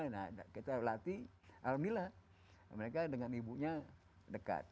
nah kita latih alhamdulillah mereka dengan ibunya dekat